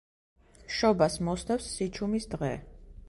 შობას მოსდევს „სიჩუმის დღე“.